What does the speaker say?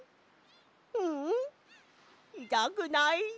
ううんいたくない。